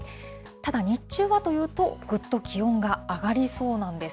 ただ、日中はというと、ぐっと気温が上がりそうなんです。